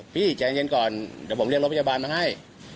พี่ใจเย็นก่อนเดี๋ยวผมเรียกรถพยาบาลมาให้